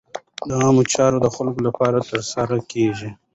عامه چارې د خلکو لپاره ترسره کېږي.